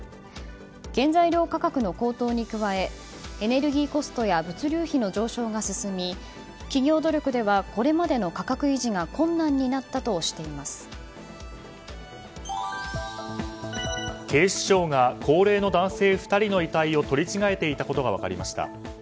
原材料価格の高騰に加えエネルギーコストや物流費の上昇が進み企業努力ではこれまでの価格維持が警視庁が高齢の男性２人の遺体を取り違えていたことが分かりました。